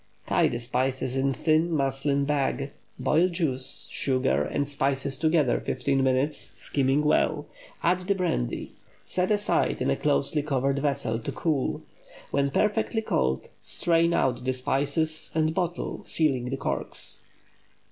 Tie the spices in thin muslin bags; boil juice, sugar, and spices together fifteen minutes, skimming well; add the brandy; set aside in a closely covered vessel to cool. When perfectly cold, strain out the spices, and bottle, sealing the corks.